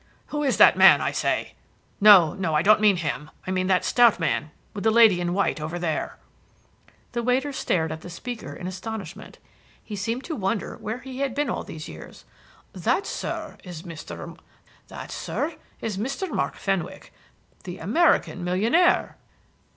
"Who is the man, I say? No, no; I don't mean him. I mean that stout man, with the lady in white, over there." The waiter stared at the speaker in astonishment. He seemed to wonder where he had been all these years. "That, sir, is Mr. Mark Fenwick, the American millionaire."